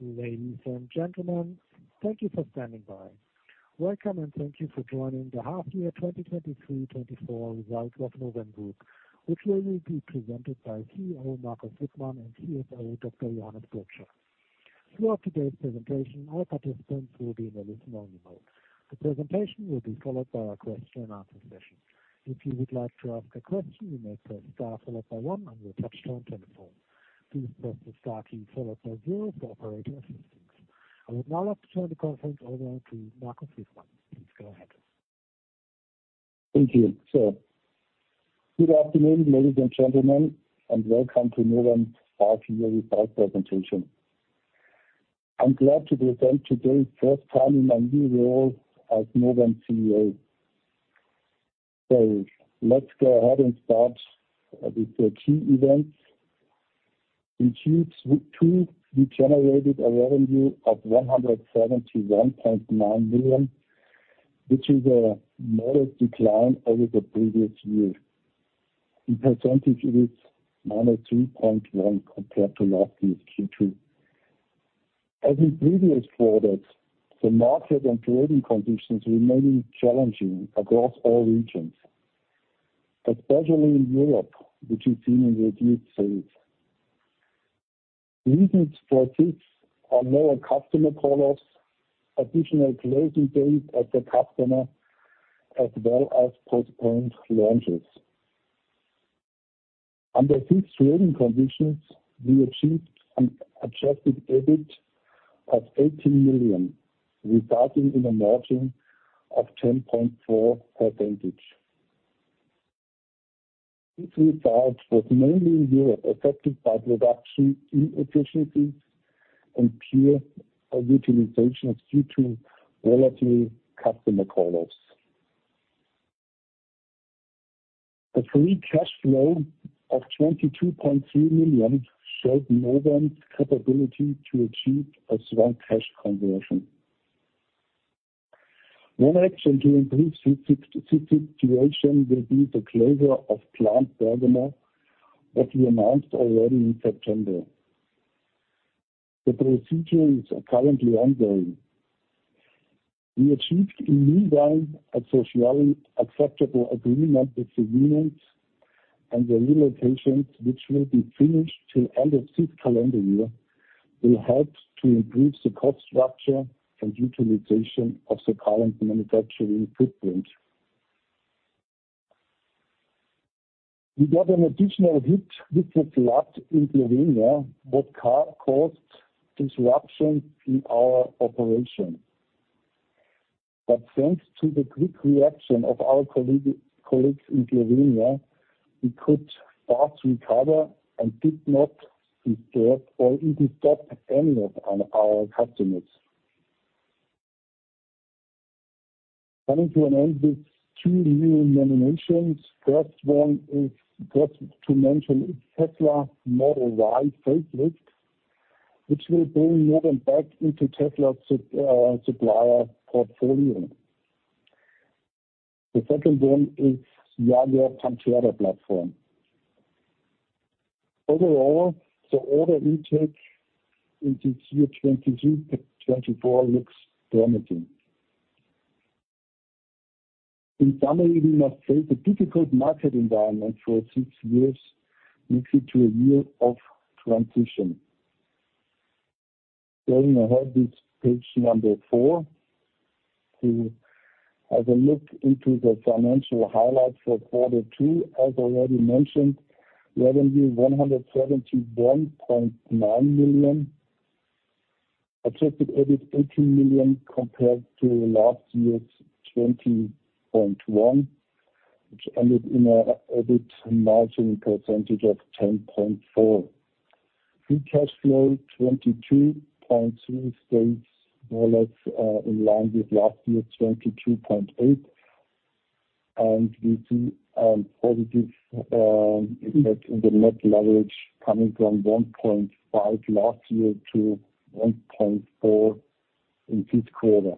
Ladies and gentlemen, thank you for standing by. Welcome, and thank you for joining the half-year 2023-2024 results of Novem Group, which will be presented by CEO Markus Wittmann and CFO Dr. Johannes Burtscher. Throughout today's presentation, all participants will be in a listen-only mode. The presentation will be followed by a question and answer session. If you would like to ask a question, you may press star followed by one on your touchtone telephone. Please press the star key followed by zero for operator assistance. I would now like to turn the conference over to Markus Wittmann. Please go ahead. Thank you. So good afternoon, ladies and gentlemen, and welcome to Novem's half year results presentation. I'm glad to present today, first time in my new role as Novem CEO. Let's go ahead and start with the key events. In Q2, we generated a revenue of 171.9 million, which is a modest decline over the previous year. In percentage, it is -3.1%, compared to last year's Q2. As in previous quarters, the market and trading conditions remaining challenging across all regions, especially in Europe, which we've seen in reduced sales. Reasons for this are more customer call-offs, additional closing dates at the customer, as well as postponed launches. Under these trading conditions, we achieved an Adjusted EBIT of 18 million, resulting in a margin of 10.4%. This result was mainly Europe, affected by reduction in efficiencies and poor utilization due to relative customer call-offs. The free cash flow of 22.3 million showed Novem's capability to achieve a strong cash conversion. One action to improve this situation will be the closure of plant Bergamo, that we announced already in September. The procedures are currently ongoing. We achieved, in the meantime, a socially acceptable agreement with the unions, and the relocations, which will be finished till end of this calendar year, will help to improve the cost structure and utilization of the current manufacturing footprint. We got an additional hit with the flood in Slovenia, what caused disruption in our operation. But thanks to the quick reaction of our colleagues in Slovenia, we could fast recover and did not disturb or even stop any of our customers. Coming to an end with two new nominations. First one is, got to mention Tesla Model Y facelift, which will bring Novem back into Tesla's supplier portfolio. The second one is Jaguar Panthera platform. Overall, the order intake into Q3 2023-2024 looks promising. In summary, we must say the difficult market environment for six years makes it to a year of transition. Going ahead with page number four, to have a look into the financial highlights for quarter two. As already mentioned, revenue 171.9 million. Adjusted EBIT 18 million compared to last year's 20.1 million, which ended in a EBIT margin percentage of 10.4%. Free cash flow EUR 22.3 million stays more or less in line with last year 22.8 million. And we see a positive impact in the net leverage coming from 1.5 last year to 1.4 in this quarter.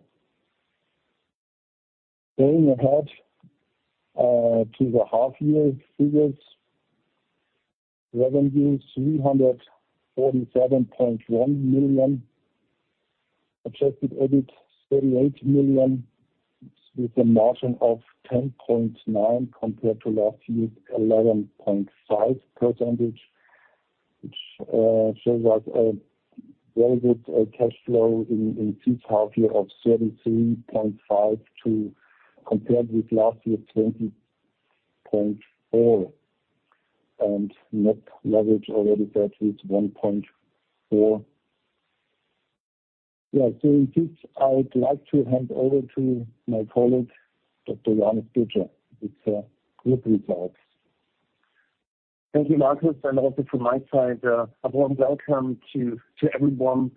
Going ahead to the half year figures. Revenue, 347.1 million. Adjusted EBIT, 38 million, with a margin of 10.9%, compared to last year's 11.5%, which shows us a very good cash flow in this half year of 73.52 million, compared with last year, 20.4 million. And net leverage already that is 1.4. Yeah, so with this, I would like to hand over to my colleague, Dr. Johannes Burtscher, with the group results. Thank you, Markus, and also from my side, a warm welcome to everyone.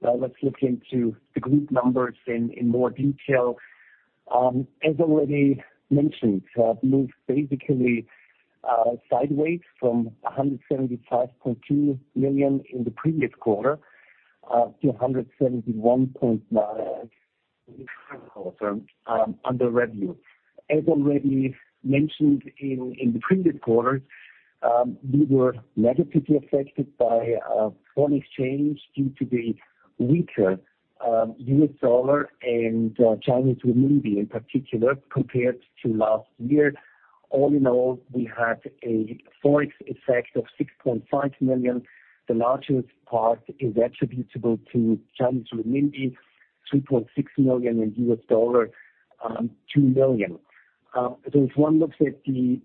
Let's look into the group numbers in more detail. As already mentioned, moved basically sideways from 175.2 million in the previous quarter to 171.9 million in revenue. As already mentioned in the previous quarter, we were negatively affected by foreign exchange due to the weaker US dollar and Chinese renminbi, in particular, compared to last year. All in all, we had a Forex effect of 6.5 million. The largest part is attributable to Chinese renminbi, 2.6 million in US dollar, two million. If one looks at the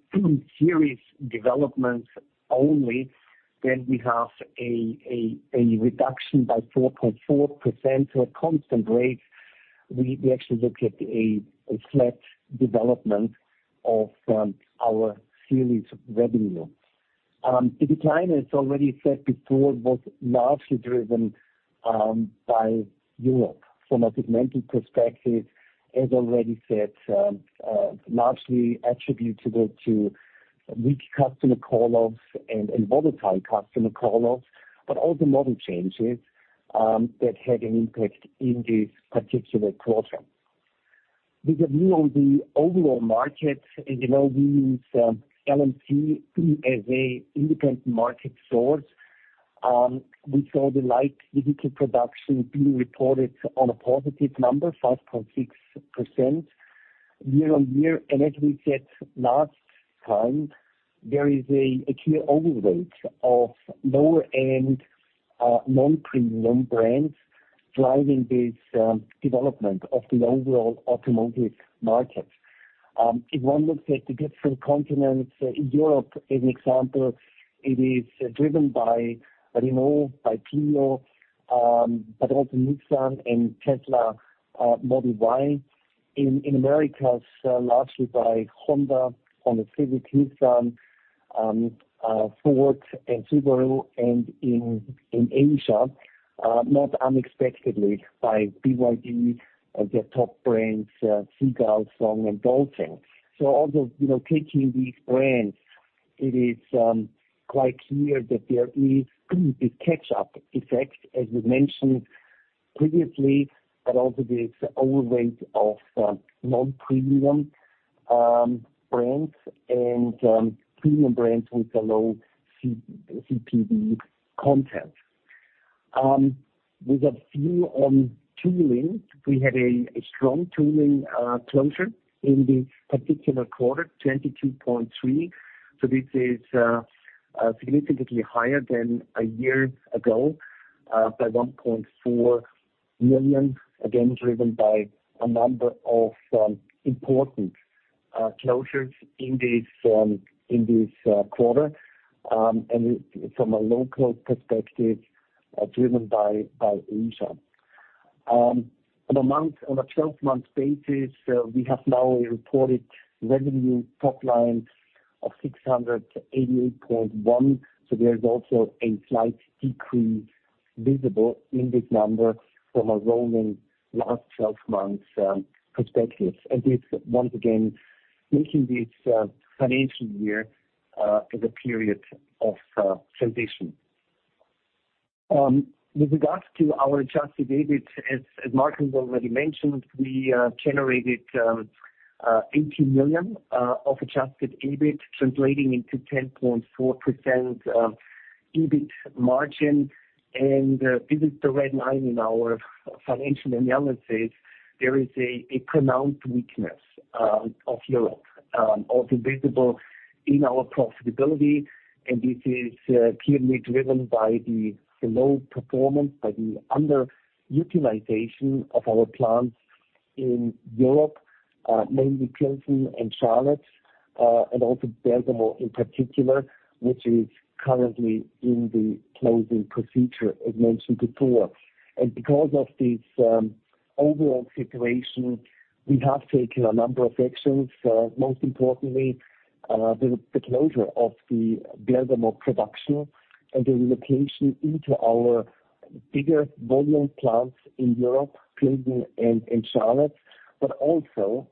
series developments only, then we have a reduction by 4.4% to a constant rate. We actually look at a flat development of our series revenue. The decline, as already said before, was largely driven by Europe. From a production perspective, as already said, largely attributable to weak customer call-offs and volatile customer call-offs, but also model changes that had an impact in this particular quarter. With a view on the overall market, you know, we use LMC as an independent market source, we saw the light vehicle production being reported on a positive number, 5.6% year-on-year. And as we said last time, there is a clear overweight of lower-end non-premium brands driving this development of the overall automotive market. If one looks at the different continents, in Europe, as an example, it is driven by Renault, by Peugeot, but also Nissan and Tesla Model Y. In Americas, largely by Honda on the Civic, Nissan, Ford and Subaru, and in Asia, not unexpectedly, by BYD, their top brands, Seagull, Song, and Dolphin. So although, you know, taking these brands, it is quite clear that there is the catch-up effect, as we mentioned previously, but also this overweight of non-premium brands and premium brands with a low CPV content. With a view on tooling, we had a strong tooling closure in this particular quarter, 22.3 million. So this is significantly higher than a year ago by 1.4 million, again, driven by a number of important closures in this quarter, and from a local perspective, driven by Asia. On a month, on a 12 basis, we have now reported revenue top line of 688.1 million, so there is also a slight decrease visible in this number from a rolling last 12 months perspective. This, once again, making this financial year as a period of transition. With regards to our Adjusted EBIT, as Markus already mentioned, we generated 80 million of Adjusted EBIT, translating into 10.4% EBIT margin. This is the red line in our financial analysis. There is a pronounced weakness of Europe also visible in our profitability, and this is clearly driven by the low performance, by the underutilization of our plants in Europe, mainly Klášterec and Charlotte, and also Bergamo, in particular, which is currently in the closing procedure, as mentioned before. And because of this overall situation, we have taken a number of actions, most importantly, the closure of the Bergamo production and the relocation into our bigger volume plants in Europe, Klášterec and Charlotte, but also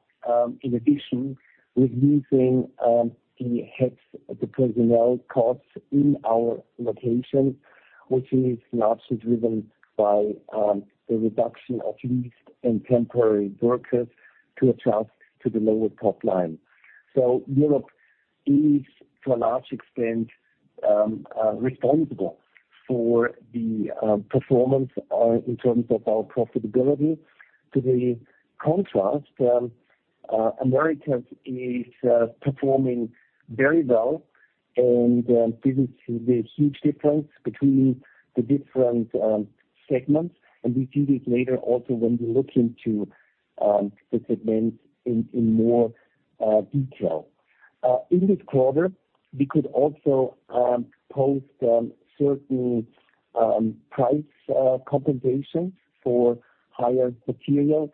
in addition, reducing the heads, the personnel costs in our location, which is largely driven by the reduction of leased and temporary workers to adjust to the lower top line. So Europe is, to a large extent, responsible for the performance in terms of our profitability. To the contrast, Americas is performing very well, and this is the huge difference between the different segments, and we see this later also when we look into the segments in, in more detail. In this quarter, we could also post certain price compensation for higher material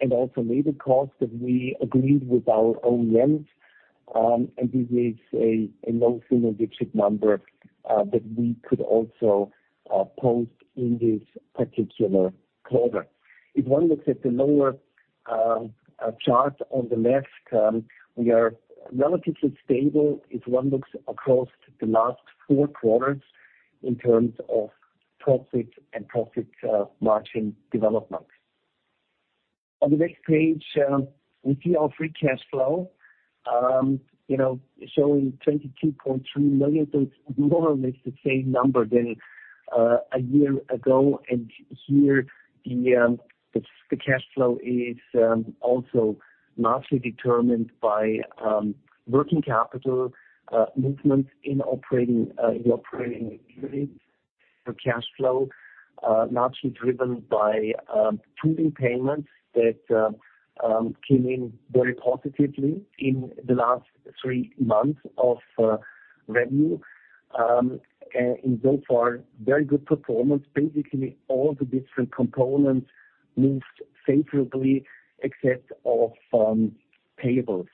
and also labor costs that we agreed with our OEMs, and this is a low single-digit number that we could also post in this particular quarter. If one looks at the lower chart on the left, we are relatively stable. If one looks across the last four quarters... in terms of profit and profit margin development. On the next page, we see our free cash flow, you know, showing 22.3 million, so it's more or less the same number than a year ago, and here the cash flow is also largely determined by working capital movements in the operating period. The cash flow largely driven by tooling payments that came in very positively in the last three months of revenue. And so far, very good performance. Basically, all the different components moved favorably except of payables,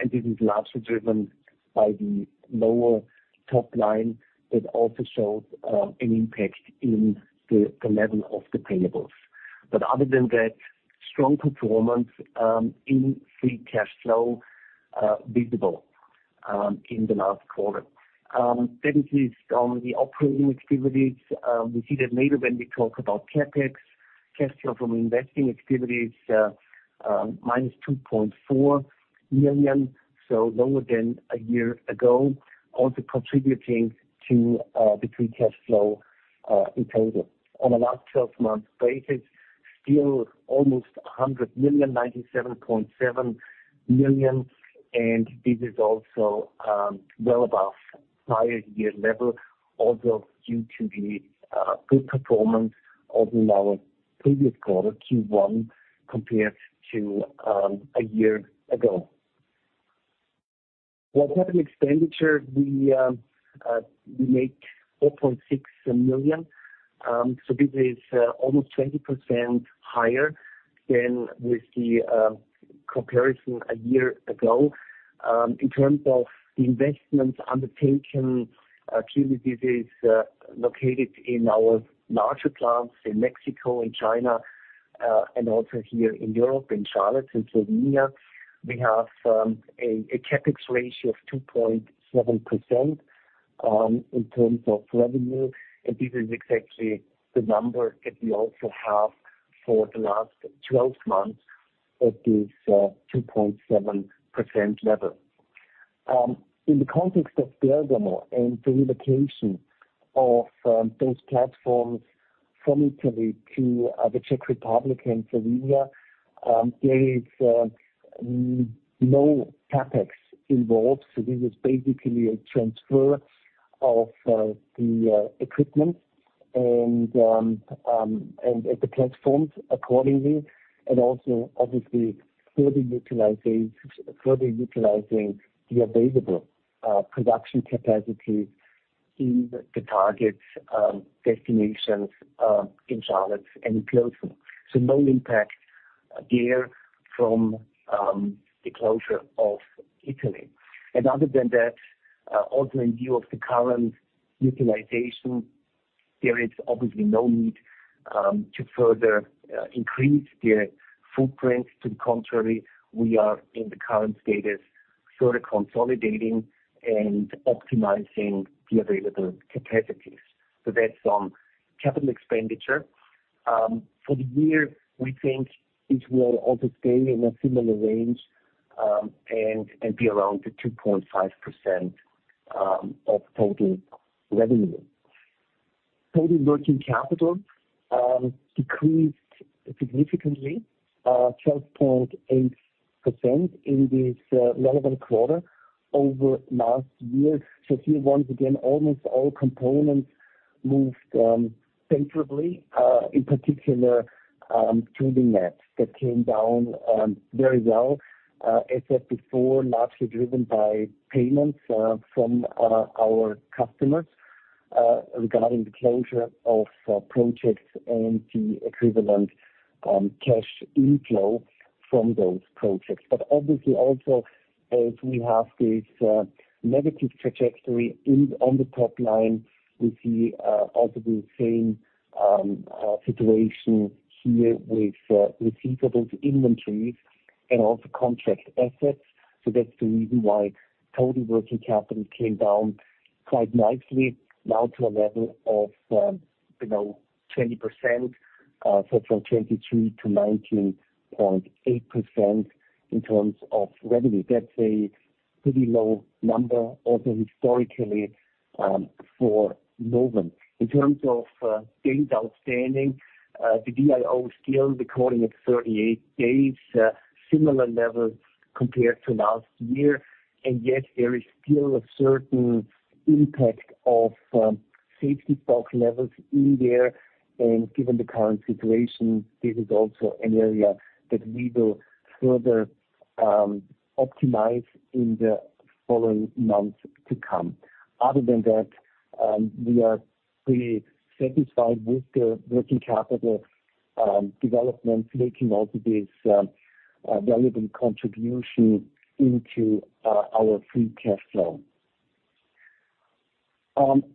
and this is largely driven by the lower top line that also shows an impact in the level of the payables. But other than that, strong performance in free cash flow visible in the last quarter. Then it is on the operating activities, we see that later when we talk about CapEx, cash flow from investing activities, minus 2.4 million, so lower than a year ago, also contributing to, the free cash flow, in total. On a last twelve-month basis, still almost 100 million, 97.7 million, and this is also, well above prior year level, although due to the, good performance of our previous quarter, Q1, compared to, a year ago. While capital expenditure, we, we make 4.6 million, so this is, almost 20% higher than with the, comparison a year ago. In terms of the investments undertaken, actually, this is, located in our larger plants in Mexico and China, and also here in Europe, in Charlotte, in Slovenia. We have a CapEx ratio of 2.7% in terms of revenue, and this is exactly the number that we also have for the last 12 months at this 2.7% level. In the context of Bergamo and the relocation of those platforms from Italy to the Czech Republic and Slovenia, there is no CapEx involved. So this is basically a transfer of the equipment and the platforms accordingly, and also, obviously, further utilizing the available production capacity in the target destinations in Charlotte and Klášterec. So no impact there from the closure of Italy. And other than that, also in view of the current utilization, there is obviously no need to further increase the footprint. To the contrary, we are in the current status, sort of consolidating and optimizing the available capacities. So that's on capital expenditure. For the year, we think it will also stay in a similar range, and be around the 2.5% of total revenue. Total working capital decreased significantly, 12.8% in this relevant quarter over last year. So here, once again, almost all components moved favorably, in particular, tooling net, that came down very well, as said before, largely driven by payments from our customers regarding the closure of projects and the equivalent cash inflow from those projects. But obviously, also, as we have this negative trajectory on the top line, we see also the same situation here with receivables, inventories, and also contract assets. So that's the reason why total working capital came down quite nicely now to a level of, you know, 20%, so from 23 to 19.8% in terms of revenue. That's a pretty low number, also historically, for Novem. In terms of days outstanding, the DIO still recording at 38 days, similar levels compared to last year, and yet there is still a certain impact of safety stock levels in there. Given the current situation, this is also an area that we will further optimize in the following months to come. Other than that, we are pretty satisfied with the working capital development, making also this relevant contribution into our free cash flow.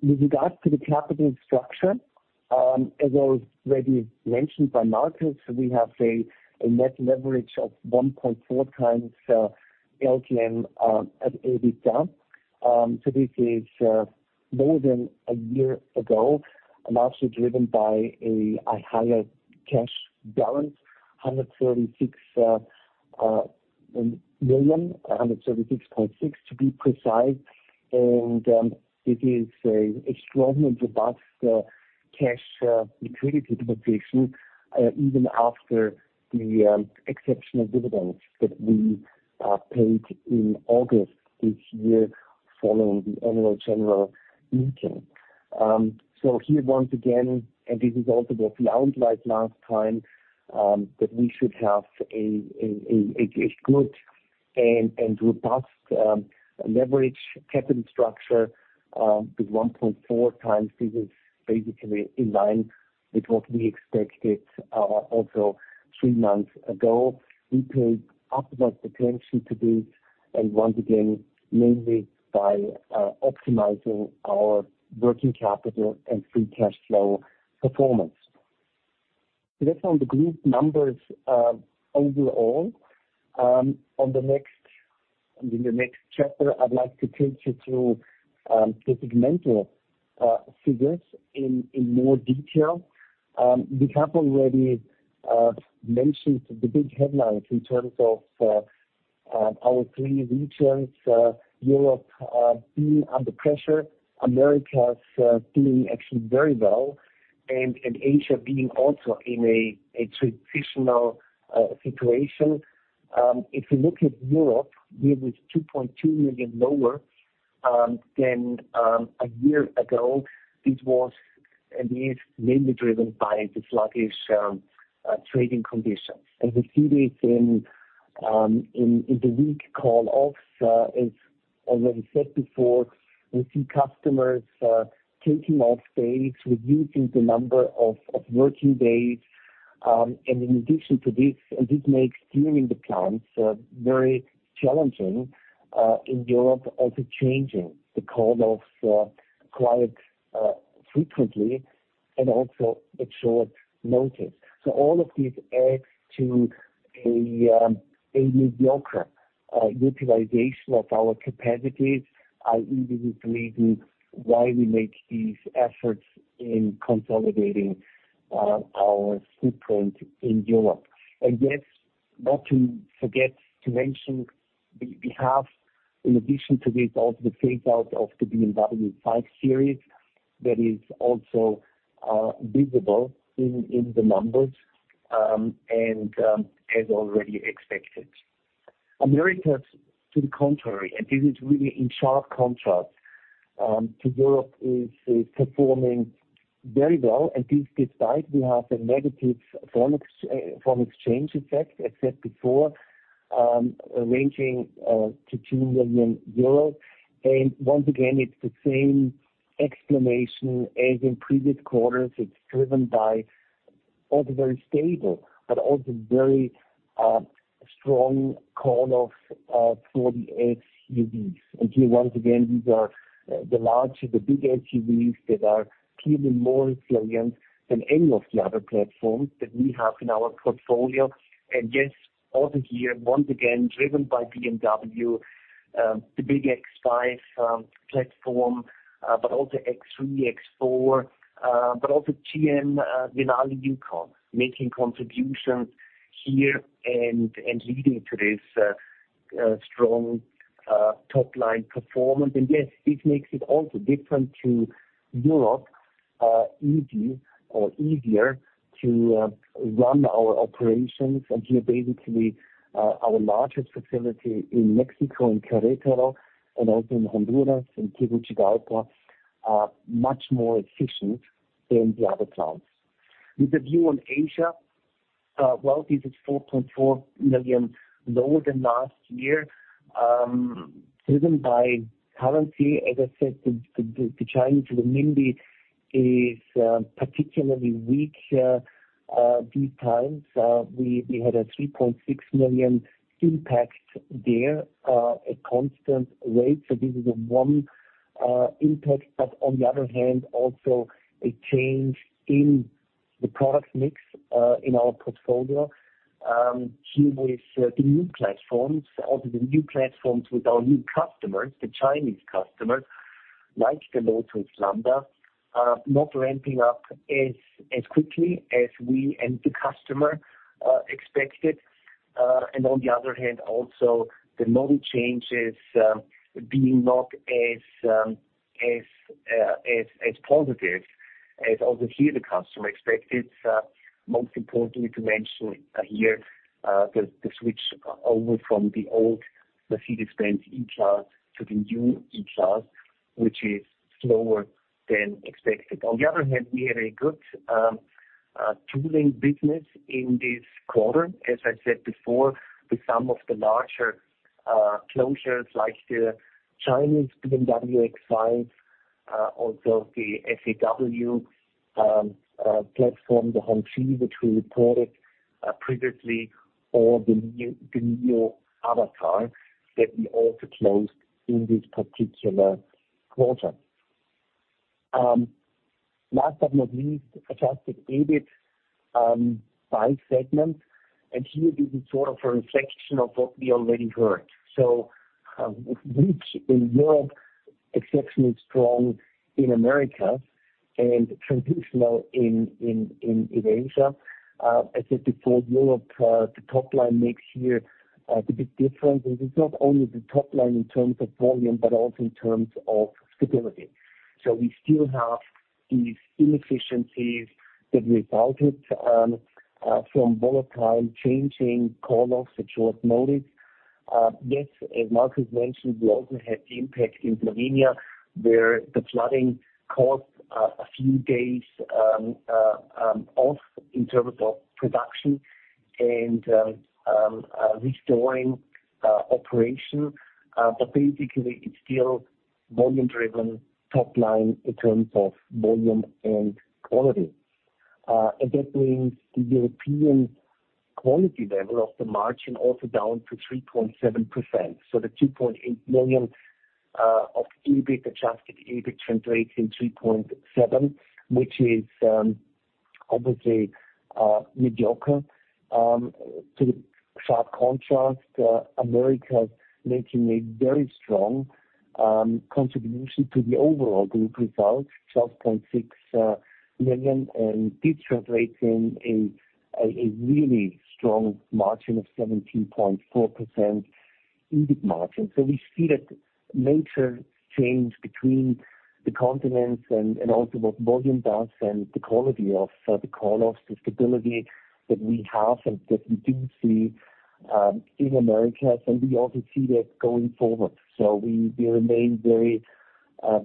With regards to the capital structure. As already mentioned by Markus, we have a net leverage of 1.4 times LTM EBITDA. So this is more than a year ago, and also driven by a higher cash balance, 136 million, 136.6, to be precise. And it is an extraordinarily robust cash liquidity position even after the exceptional dividends that we paid in August this year, following the Annual General Meeting. So here once again, and this is also what we outlined last time, that we should have a good and robust leverage capital structure with 1.4 times. This is basically in line with what we expected, also three months ago. We paid optimized attention to this, and once again, mainly by optimizing our working capital and free cash flow performance. So that's on the group numbers overall. On the next, and in the next chapter, I'd like to take you through the segmental figures in more detail. We have already mentioned the big headlines in terms of our three regions, Europe being under pressure, Americas doing actually very well, and Asia being also in a traditional situation. If you look at Europe, we were 2.2 million lower than a year ago. It was, and is mainly driven by the sluggish trading conditions. As we see this in the weak call off, as already said before, we see customers taking off days, reducing the number of working days. And in addition to this, and this makes steering the plants very challenging in Europe, also changing the call off quite frequently and also at short notice. So all of these adds to a mediocre utilization of our capacities, including why we make these efforts in consolidating our footprint in Europe. Yes, not to forget to mention, we have, in addition to this, also the phase out of the BMW 5 Series, that is also visible in the numbers, and as already expected. Americas, to the contrary, and this is really in sharp contrast to Europe, is performing very well. And this, despite we have a negative foreign exchange effect of EUR 2 million. And once again, it's the same explanation as in previous quarters. It's driven by also very stable, but also very strong call-off of 48 SUVs. And here once again, these are the larger, the big SUVs that are clearly more influential than any of the other platforms that we have in our portfolio. And yes, also here, once again, driven by BMW, the big X5 platform, but also X3, X4, but also GM, Denali Yukon, making contributions here and leading to this strong top line performance. And yes, this makes it also different to Europe, easy or easier to run our operations. And here, basically, our largest facility in Mexico, in Querétaro, and also in Honduras, in Tegucigalpa, are much more efficient than the other plants. With a view on Asia, well, this is 4.4 million lower than last year, driven by currency. As I said, the Chinese renminbi is particularly weak these times. We had a 3.6 million impact there, a constant rate, so this is one impact. But on the other hand, also a change in the product mix, in our portfolio. Here with the new platforms, or the new platforms with our new customers, the Chinese customers, like the Lotus Lambda, not ramping up as quickly as we and the customer expected. And on the other hand, also the model changes, being not as positive as also here, the customer expected. Most importantly, to mention, here, the switch over from the old Mercedes-Benz E-Class to the new E-Class, which is slower than expected. On the other hand, we had a good tooling business in this quarter, as I said before, with some of the larger closures, like the Chinese BMW X5, also the FAW platform, the Hongqi, which we reported.... Previously, or the new, the new Avatr that we also closed in this particular quarter. Last but not least, Adjusted EBIT by segment, and here this is sort of a reflection of what we already heard. So, which in Europe, exceptionally strong in Americas and transitional in Asia. I said before, Europe, the top line makes here the big difference. And it's not only the top line in terms of volume, but also in terms of stability. So we still have these inefficiencies that resulted from volatile changing call-offs at short notice. Yes, as Markus mentioned, we also had the impact in Slovenia, where the flooding caused a few days off in terms of production and restoring operation. But basically, it's still volume-driven top line in terms of volume and quality. And that brings the European quality level of the margin also down to 3.7%. So the 2.8 million of EBIT, adjusted EBIT translates in 3.7%, which is obviously, mediocre. To the sharp contrast, Americas making a very strong contribution to the overall group results, 12.6 million, and did translate in a really strong margin of 17.4% EBIT margin. So we see that major change between the continents and also what volume does and the quality of the call off, the stability that we have and that we do see in Americas, and we also see that going forward. So we, we remain very,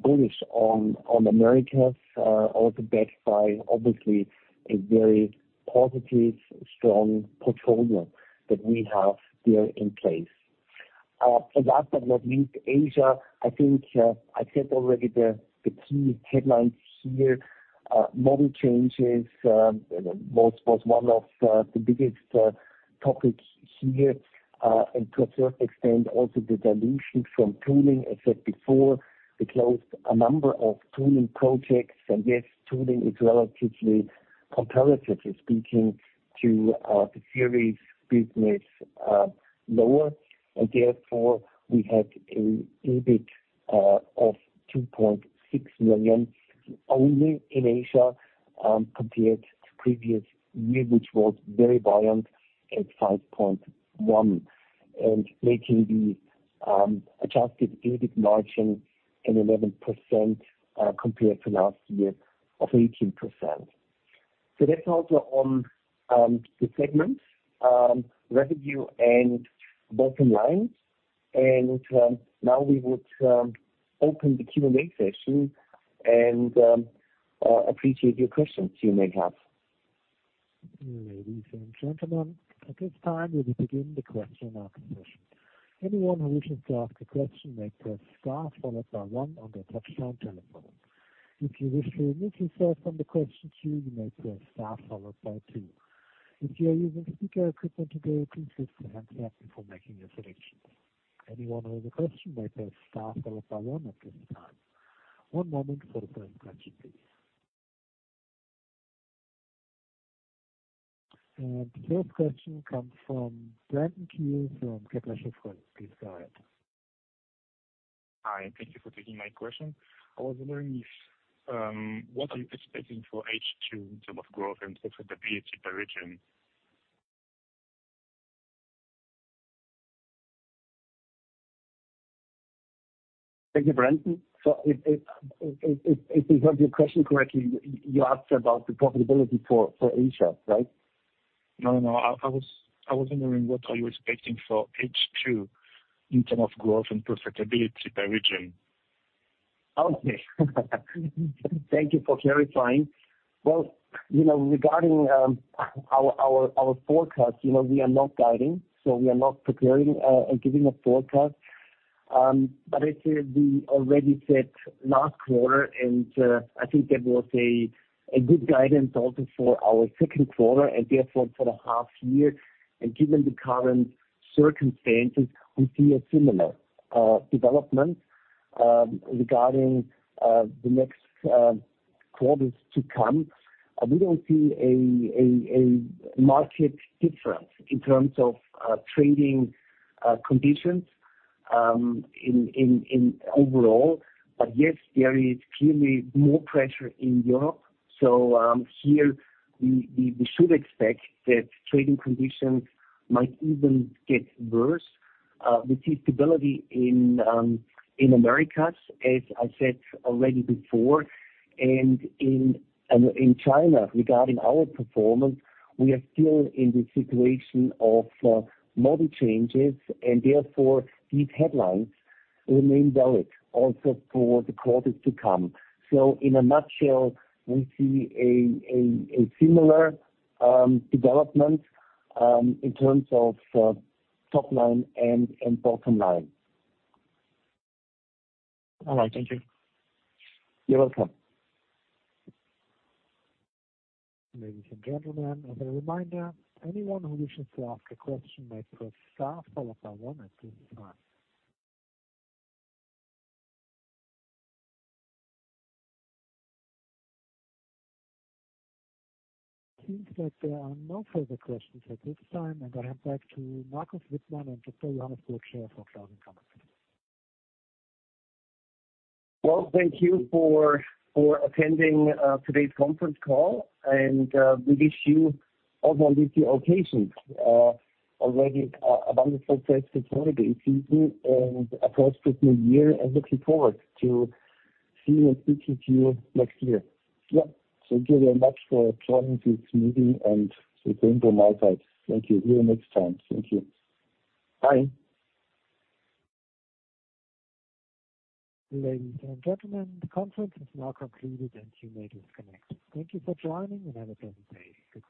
bullish on, on Americas, also backed by, obviously, a very positive, strong portfolio that we have there in place. And last but not least, Asia, I think, I said already the, the key headlines here, model changes, you know, was, was one of, the biggest, topics here. And to a certain extent, also the dilution from tooling. I said before, we closed a number of tooling projects, and yes, tooling is relatively, comparatively speaking, to, the series business, lower. And therefore, we had an EBIT of 2.6 million, only in Asia, compared to previous year, which was very violent at 5.1 million. And making the adjusted EBIT margin at 11%, compared to last year of 18%. So that's also on the segment revenue and bottom line. Now we would open the Q&A session and appreciate your questions you may have. Ladies and gentlemen, at this time, we will begin the question and answer session. Anyone who wishes to ask a question may press star followed by one on their touchtone telephone. If you wish to remove yourself from the question queue, you may press star followed by two. If you are using speaker equipment today, please press the handset before making your selections. Anyone with a question may press star followed by one at this time. One moment for the first question, please. The first question comes from Brandon Keel from Kepler Cheuvreux. Please go ahead. Hi, thank you for taking my question. I was wondering if what are you anticipating for H2 in terms of growth and profitability by region? Thank you, Brandon. So if I heard your question correctly, you asked about the profitability for Asia, right? No, no, I was wondering, what are you expecting for H2 in terms of growth and profitability by region? Okay. Thank you for clarifying. Well, you know, regarding our forecast, you know, we are not guiding, so we are not preparing and giving a forecast. But as we already said last quarter, and I think that was a good guidance also for our Q3 and therefore for the half year. And given the current circumstances, we see a similar development regarding the next quarters to come. We don't see a market difference in terms of trading conditions in overall. But yes, there is clearly more pressure in Europe. So, here we should expect that trading conditions might even get worse. We see stability in Americas, as I said already before, and in China, regarding our performance. We are still in the situation of model changes, and therefore, these headlines remain valid also for the quarters to come. So in a nutshell, we see a similar development in terms of top line and bottom line. All right. Thank you. You're welcome. Ladies and gentlemen, as a reminder, anyone who wishes to ask a question may press star followed by one at this time. Seems like there are no further questions at this time, and I hand back to Markus Wittmann and Dr. Johannes Burtscher for closing comments. Well, thank you for attending today's conference call, and we wish you all only the best, already a wonderful Christmas holiday season and a prosperous new year, and looking forward to seeing and speaking to you next year. Yeah. So thank you very much for joining this meeting, and the same from my side. Thank you. See you next time. Thank you. Bye. Ladies and gentlemen, the conference is now concluded, and you may disconnect. Thank you for joining and have a great day. Goodbye.